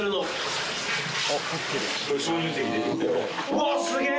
うわすげえ！